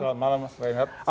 selamat malam mas pak enhat